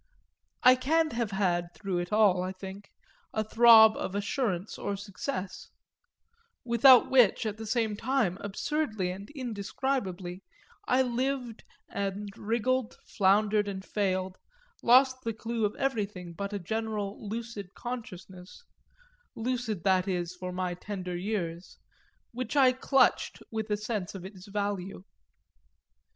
I can't have had, through it all, I think, a throb of assurance or success; without which, at the same time, absurdly and indescribably, I lived and wriggled, floundered and failed, lost the clue of everything but a general lucid consciousness (lucid, that is, for my tender years;) which I clutched with a sense of its value.